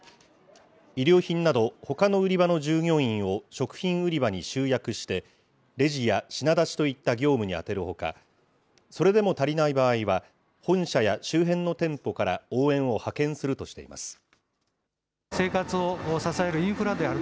衣料品など、ほかの売り場の従業員を食品売り場に集約して、レジや品出しといった業務に充てるほか、それでも足りない場合は、本社や周辺の店舗から応援を派遣するとしています。